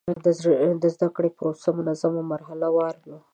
د زده کړې پروسه منظم او مرحله وار وه.